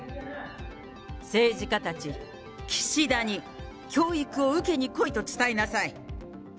政治家たち、岸田に、教育を受けに来いと伝えなさい。